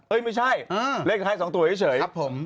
เอ๊ยไม่ใช่เหล้กท้าย๒ตัวเฉย